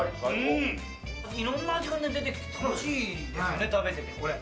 いろんな味が出てきて楽しいですよね、食べてて。